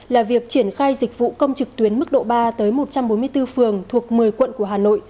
là việc triển khai dịch vụ công trực tuyến mức độ ba tới một trăm bốn mươi bốn phường thuộc một mươi quận của hà nội